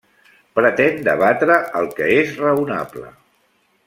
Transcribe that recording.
Pretén debatre el que és raonable.